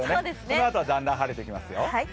このあとはだんだん晴れてきますよ。